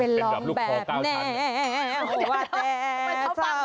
เป็นร้องแบบแนวว่าแนวเศร้าบัง